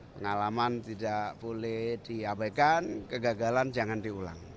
pengalaman tidak boleh diabaikan kegagalan jangan diulang